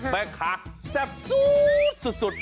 แม่ค้าแซ่บสุด